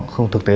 không thực tế